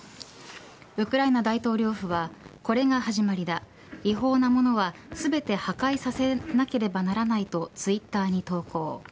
ウクライナ大統領府はこれが始まりだ違法なものは全て破壊させなければならないとツイッターに投稿。